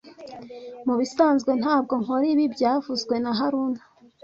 Mubisanzwe ntabwo nkora ibi byavuzwe na haruna